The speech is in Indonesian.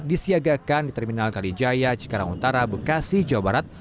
disiagakan di terminal kalijaya cikarang utara bekasi jawa barat